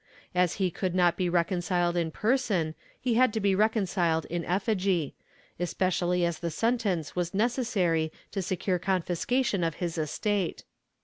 As he could not be reconciled in person he had to be reconciled in effigy, especially as the sentence was necessary to secure confiscation of his estate.